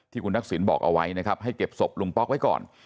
คุณทักษิณบอกเอาไว้นะครับให้เก็บศพลุงป๊อกไว้ก่อน